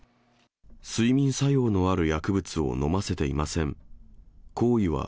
睡眠作用のある薬物を飲ませていません。